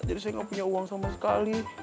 jadi saya gak punya uang sama sekali